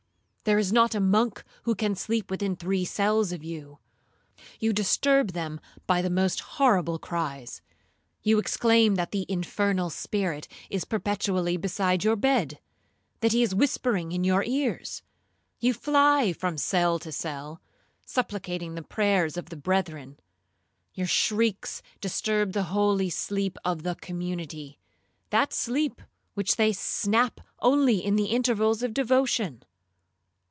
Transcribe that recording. There is not a monk who can sleep within three cells of you. You disturb them by the most horrible cries—you exclaim that the infernal spirit is perpetually beside your bed—that he is whispering in your ears. You fly from cell to cell, supplicating the prayers of the brethren. Your shrieks disturb the holy sleep of the community—that sleep which they snatch only in the intervals of devotion.